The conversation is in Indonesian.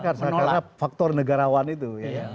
karena faktor negarawan itu